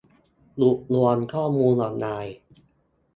หยุดล้วงข้อมูลออนไลน์